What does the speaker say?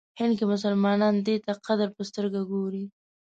هند کې مسلمانان دی ته قدر په سترګه ګوري.